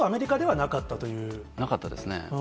なかったですね。